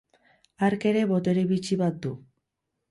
Hark ere botere bitxi bat du.